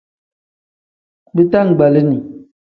Bitangbalini.